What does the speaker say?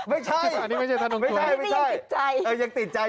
อันนี้ยังติดใจ